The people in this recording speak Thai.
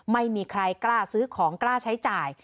ไม่มีใครกล้าซื้อของกล้าใช้จ่าย